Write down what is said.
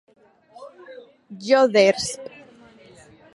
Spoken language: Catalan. Jo despr